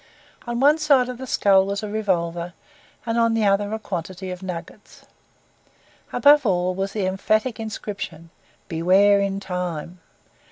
On one side of the skull was a revolver, and on the other a quantity of nuggets. Above all, was the emphatic inscription, "Beware in time."